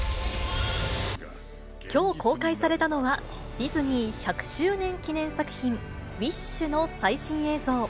きょう公開されたのは、ディズニー１００周年記念作品、ウィッシュの最新映像。